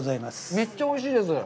めっちゃおいしいです。